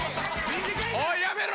おいやめろ